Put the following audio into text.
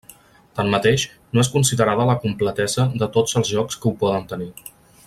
Tanmateix, no és considerada la completesa de tots els jocs que ho poden tenir.